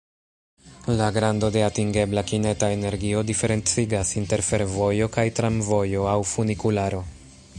La grando de atingebla kineta energio diferencigas inter fervojo kaj tramvojo aŭ funikularo.